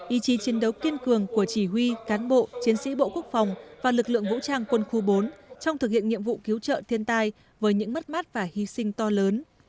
ý chí chiến đấu kiên cường của chỉ huy cán bộ chiến sĩ bộ quốc phòng và lực lượng vũ trang quân khu bốn trong thực hiện nhiệm vụ cứu trợ thiên tai với những mất mát và hy sinh to lớn